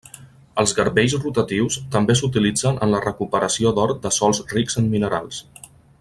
Els garbells rotatius també s'utilitzen en la recuperació d'or de sòls rics en minerals.